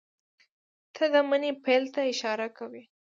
تله د مني پیل ته اشاره کوي.